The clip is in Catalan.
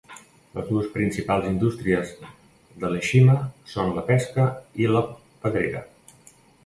Les dues principals indústries de Ieshima són la pesca i la pedrera.